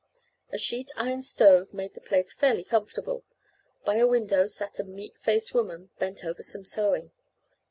A sheet iron stove made the place fairly comfortable. By a window sat a meek faced woman, bent over some sewing.